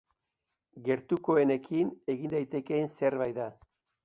Gertukoenekin egin daitekeen zerbait da.